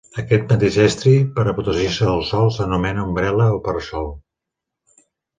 Aquest mateix estri, per a protegir-se del sol, s'anomena ombrel·la o para-sol.